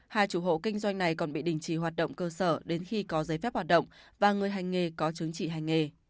hai chủ hộ kinh doanh này còn bị đình chỉ hoạt động cơ sở đến khi có giấy phép hoạt động và người hành nghề có chứng chỉ hành nghề